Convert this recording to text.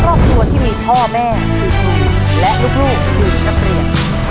ครอบครัวที่มีพ่อแม่คือครูและลูกคือนักเรียน